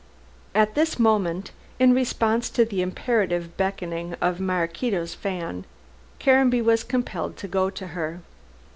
At this moment, in response to the imperative beckoning of Maraquito's fan, Caranby was compelled to go to her.